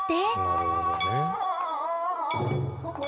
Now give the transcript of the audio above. なるほどね。